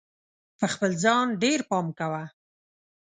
په خپل ځان ډېر پام کوه!